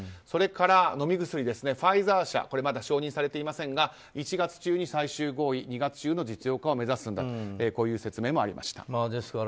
それから飲み薬、ファイザー社まだ承認されていませんが１月中に最終合意２月中の実用化を目指すんだという説明もありました。